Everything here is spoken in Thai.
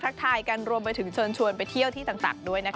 ทายกันรวมไปถึงเชิญชวนไปเที่ยวที่ต่างด้วยนะคะ